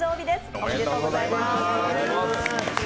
おめでとうございます。